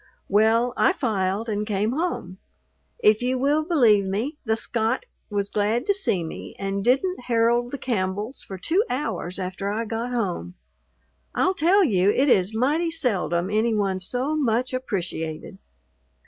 Well, I filed and came home. If you will believe me, the Scot was glad to see me and didn't herald the Campbells for two hours after I got home. I'll tell you, it is mighty seldom any one's so much appreciated.